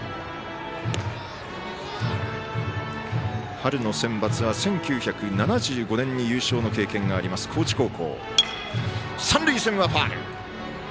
春のセンバツは１９７５年に優勝の経験があります、高知高校。